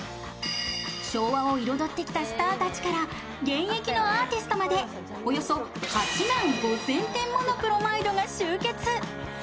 昭和を彩ってきたスターたちから現役のアーティストまでおよそ８万５０００点ものプロマイドが集結。